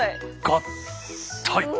合体！